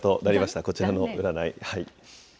こちらの占い。